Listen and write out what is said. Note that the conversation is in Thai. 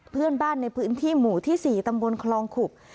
เพื่อนบ้านในพื้นที่หมู่ที่๔ตำบลคลองขุก